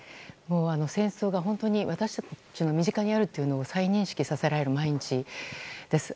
戦争が本当に私たちの身近にあることを再認識させられる毎日です。